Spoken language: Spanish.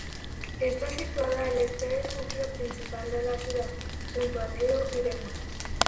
Está situada al este del núcleo principal de la ciudad, junto al río Iregua.